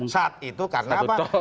saat itu karena apa